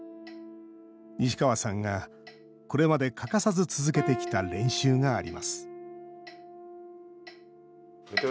西川さんが、これまで欠かさず続けてきた練習があります